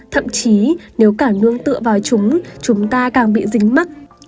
thậm chí nếu cả nương tựa vào chúng chúng ta càng bị dính mất